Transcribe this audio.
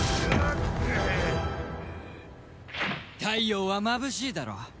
太陽はまぶしいだろう？